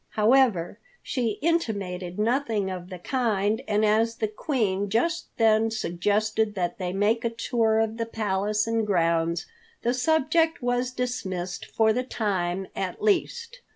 However, she intimated nothing of the kind, and as the Queen just then suggested that they make a tour of the Palace and grounds, the subject was dismissed for the time at least.